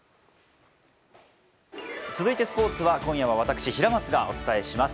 続いてスポーツは平松がお伝えします。